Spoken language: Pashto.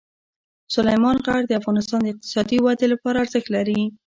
سلیمان غر د افغانستان د اقتصادي ودې لپاره ارزښت لري.